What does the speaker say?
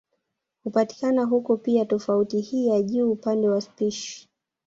Hupatikana huko pia tofauti hii ya juu upande wa spishi